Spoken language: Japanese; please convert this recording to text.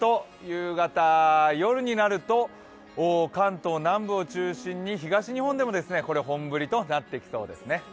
夕方、夜になると関東南部を中心に東日本でも本降りとなってきそうですね。